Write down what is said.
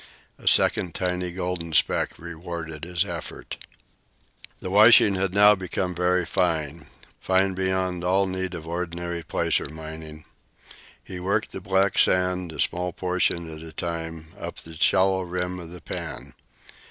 A second tiny golden speck rewarded his effort. The washing had now become very fine fine beyond all need of ordinary placer mining. He worked the black sand, a small portion at a time, up the shallow rim of the pan.